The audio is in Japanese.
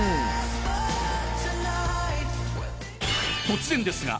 ［突然ですが］